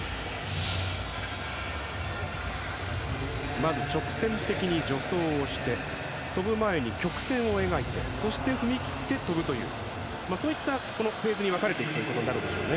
まず直線的に助走をして跳ぶ前に曲線を描いてそして踏み切って跳ぶというそういったフェーズに分かれていくということになるでしょうね。